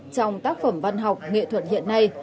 trong tác phẩm văn học nghệ thuật hiện nay